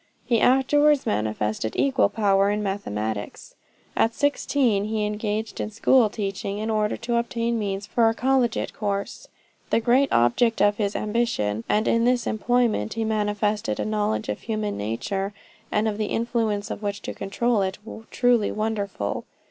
He afterwards manifested equal power in mathematics. At sixteen, he engaged in school teaching, in order to obtain means for a collegiate course the great object of his ambition and in this employment he manifested a knowledge of human nature and of the influences which control it, truly wonderful.